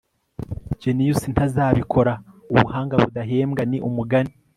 genius ntazabikora; ubuhanga budahembwa ni umugani